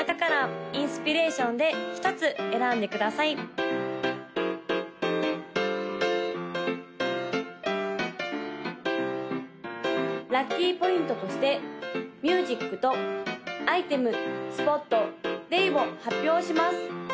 ・赤色紫色黄色青色の・ラッキーポイントとしてミュージックとアイテムスポットデイを発表します！